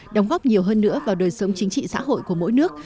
đóng góp nhiều hơn nữa vào đời sống chính trị xã hội của mỗi nước